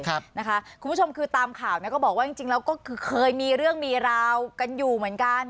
คุณผู้ชมคือตามข่าวก็บอกว่าจริงแล้วก็คือเคยมีเรื่องมีราวกันอยู่เหมือนกัน